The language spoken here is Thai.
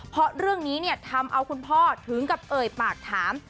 เพราะเรื่องนี้เนี่ยทำเอาคุณพ่อถึงกับเอ่ยปากถาม